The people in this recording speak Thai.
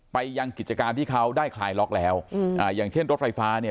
ไปยังกิจการที่เขาได้คลายล็อกแล้วอืมอ่าอย่างเช่นรถไฟฟ้าเนี่ย